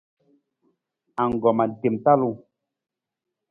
Anggoma tem talung.